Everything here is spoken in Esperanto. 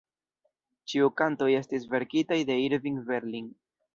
Ĉiu kantoj estis verkitaj de Irving Berlin.